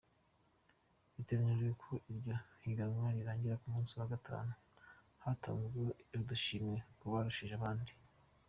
Bitegekanijwe ko iryo higanwa rirangira ku musi wa gatanu hatanzwe udushimwe ku barushije abandi.